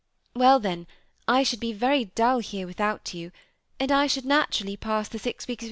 "Well, then, I should be veiy dull here without you ; and I should naturally pass the six weeks of.